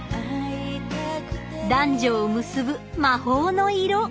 男女を結ぶ魔法の色。